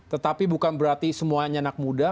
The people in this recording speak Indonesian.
tetapi bukan berarti semuanya anak muda